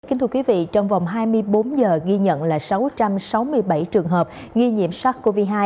kính thưa quý vị trong vòng hai mươi bốn giờ ghi nhận là sáu trăm sáu mươi bảy trường hợp nghi nhiễm sars cov hai